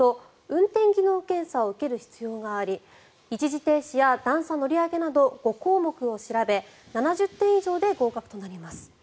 運転技能検査を受ける必要があり一時停止や段差乗り上げなど５項目を調べ７０点以上で合格となります。